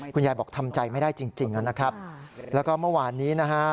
คุณยายบอกทำใจไม่ได้จริงนะครับแล้วก็เมื่อวานนี้นะฮะ